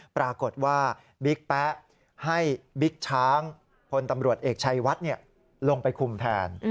ปรากฏว่าบิ๊กแป๊ะให้บิ๊กช้างพลตำรวจเอกชัยวัดลงไปคุมแทน